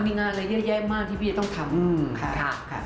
มันมีงานอะไรแยะมากที่พี่จะต้องทำ